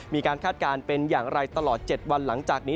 คาดการณ์เป็นอย่างไรตลอด๗วันหลังจากนี้